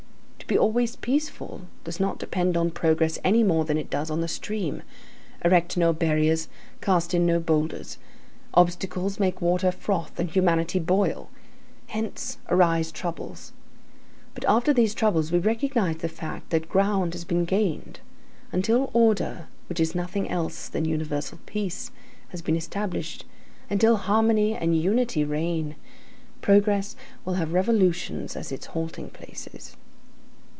To be always peaceful does not depend on progress any more than it does on the stream; erect no barriers, cast in no boulders; obstacles make water froth and humanity boil. Hence arise troubles; but after these troubles, we recognize the fact that ground has been gained. Until order, which is nothing else than universal peace, has been established, until harmony and unity reign, progress will have revolutions as its halting places.